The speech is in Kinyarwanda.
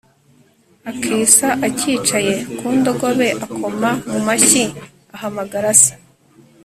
akisa acyicaye ku ndogobe akoma mu mashyi ahamagara se